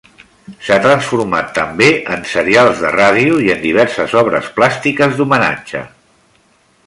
S'ha transformat també en serials de ràdio i en diverses obres plàstiques d'homenatge.